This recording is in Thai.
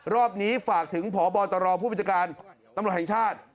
รอบนี้ฝากถึงพบตรผู้บัญชาการตำรวจแห่งชาติ